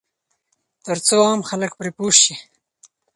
ترڅو عام خلک پرې پوه شي.